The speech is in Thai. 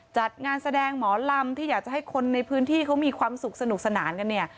จัดงานแสดงหมอลำที่อยากจะให้คนในพื้นที่เขามีความสุขสนุกสนานกันเนี่ย